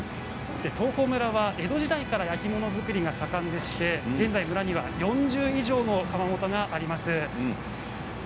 東峰村は江戸時代から焼き物作りが盛んで現在、村には４０以上の窯元があります。